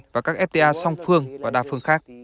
và các fta song phương và đa phương khác